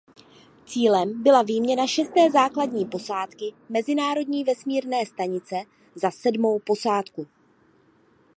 Cílem byla výměna šesté základní posádky Mezinárodní vesmírné stanice za sedmou posádku.